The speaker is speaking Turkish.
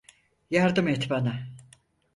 Yardım et bana.